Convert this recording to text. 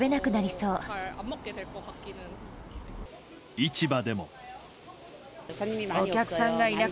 市場でも。